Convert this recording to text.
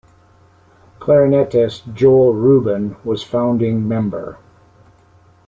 Clarinetist Joel Rubin was founding member.